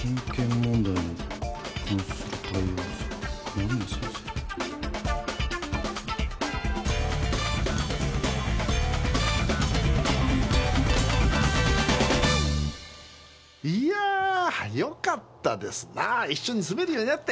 間宮先生へ」いやよかったですな一緒に住めるようになって。